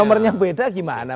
nomornya beda gimana